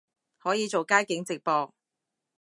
可以做街景直播